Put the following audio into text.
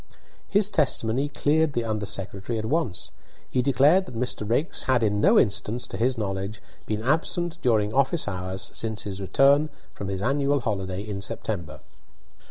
His testimony cleared the under secretary at once. He declared that Mr. Raikes had in no instance, to his knowledge, been absent during office hours since his return from his annual holiday in September.